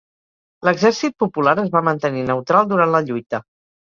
L'exercit Popular, es va mantenir neutral durant la lluita